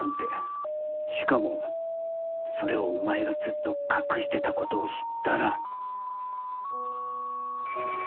しかもそれをお前がずっと隠してたことを知ったら。